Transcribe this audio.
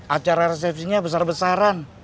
acara resepsinya besar besaran